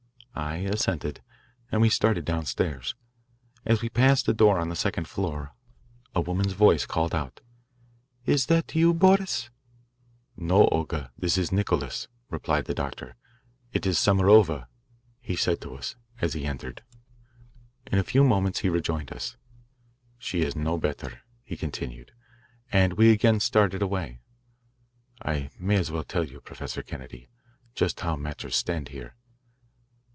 I assented, and we started downstairs. As we passed a door on the second floor, a woman's voice called out, "Is that you, Boris?" "No, Olga, this is Nicholas," replied the doctor. "It is Samarova," he said to us as he entered. In a few moments he rejoined us. "She is no better," he continued, as we again started away. "I may as well tell you, Professor Kennedy, just how matters stand here.